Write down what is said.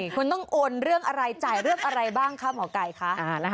คุณต้องโอนเรื่องอะไรจ่ายเรื่องอะไรบ้างคะหมอไก่คะ